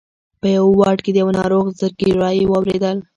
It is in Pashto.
په یوه واټ کې د یوه ناروغ زګېروی یې واورېدل.